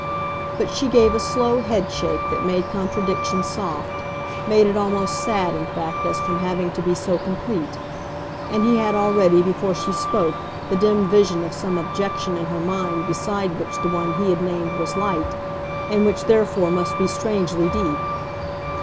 But she gave a slow headshake that made contradiction soft made it almost sad, in fact, as from having to be so complete; and he had already, before she spoke, the dim vision of some objection in her mind beside which the one he had named was light, and which therefore must be strangely deep.